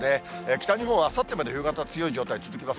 北日本はあさってまで冬型、強い状態続きます。